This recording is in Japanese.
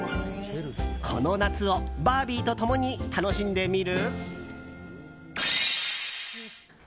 この夏をバービーと共に楽しんでみる？